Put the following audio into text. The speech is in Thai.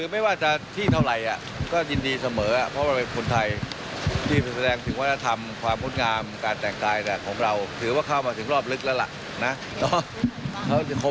ไม่ว่าจะที่เท่าไหร่ก็ยินดีเสมอเพราะเราเป็นคนไทยที่แสดงถึงวัฒนธรรมความงดงามการแต่งกายของเราถือว่าเข้ามาถึงรอบลึกแล้วล่ะนะ